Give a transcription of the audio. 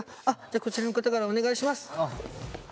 あじゃあこちらの方からお願いします。